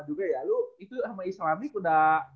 juga ya lu itu sama islamic udah